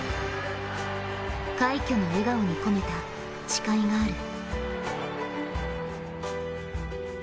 快挙の笑顔に込めた誓いがある。